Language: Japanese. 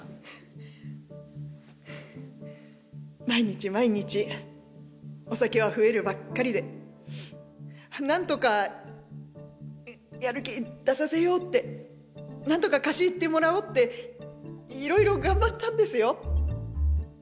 「毎日毎日お酒は増えるばっかりで何とかやる気出させようって。何とか河岸行ってもらおうっていろいろ頑張ったんですよ。